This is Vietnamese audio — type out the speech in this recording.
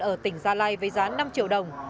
ở tỉnh gia lai với giá năm triệu đồng